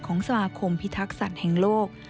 สมาคมพิทักษัตริย์แห่งโลก